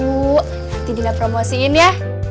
nanti dina promosiin ya